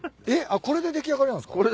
あっこれで出来上がりなんすか？